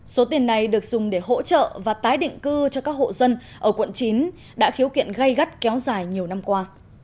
số tiền này được dùng để hỗ trợ và tái định cư cho các hộ dân ở quận chín đã khiếu kiện gây gắt kéo dài nhiều năm qua